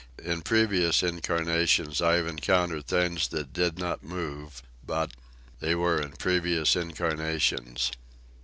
In previous incarnations I have encountered things that did not move, but ... they were in previous incarnations.